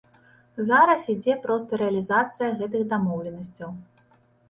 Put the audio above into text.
Зараз ідзе проста рэалізацыя гэтых дамоўленасцяў.